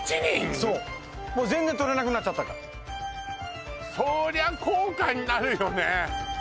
そうもう全然採れなくなっちゃったからそりゃ高価になるよね